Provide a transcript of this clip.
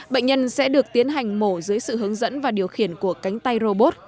bệnh nhân sẽ được tiến hành mổ dưới sự hướng dẫn và điều khiển của cánh tay robot